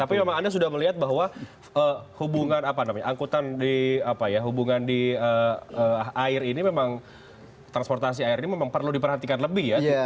tapi memang anda sudah melihat bahwa hubungan angkutan di apa ya hubungan di air ini memang transportasi air ini memang perlu diperhatikan lebih ya